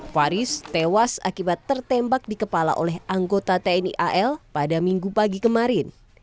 faris tewas akibat tertembak di kepala oleh anggota tni al pada minggu pagi kemarin